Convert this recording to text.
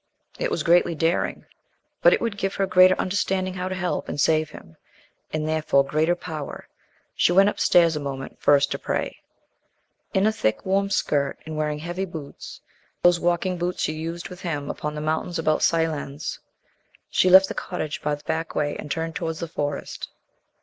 It was greatly daring; but it would give her greater understanding how to help and save him and therefore greater Power. She went upstairs a moment first to pray. In a thick, warm skirt, and wearing heavy boots those walking boots she used with him upon the mountains about Seillans she left the cottage by the back way and turned towards the Forest.